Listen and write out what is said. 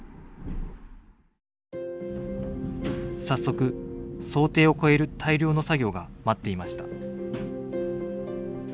早速想定を超える大量の作業が待っていました。